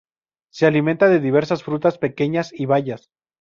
Se alimenta de diversas frutas pequeñas y bayas.